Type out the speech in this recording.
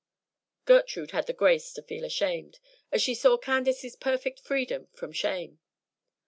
Gertrude had the grace to feel ashamed, as she saw Candace's perfect freedom from shame.